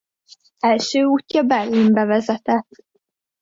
Első útja Berlinbe vezetett.